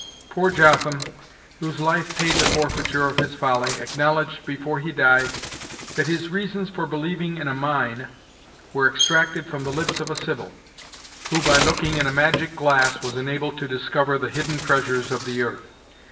Poor Jotham, whose life paid the forfeiture of his folly, acknowledged, before he died, that his reasons for believing in a mine were extracted from the lips of a sibyl, who, by looking in a magic glass, was enabled to discover the hidden treasures of the earth.